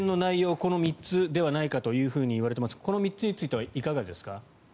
この３つじゃないかといわれていますがこの３つについてはいかがですか？